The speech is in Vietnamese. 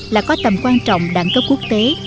là có tầm quan trọng đẳng cấp quốc tế